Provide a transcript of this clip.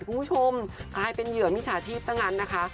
คุณผู้ชมกลายเป็นเหยื่อมิจฉาชีพซะงั้นนะคะ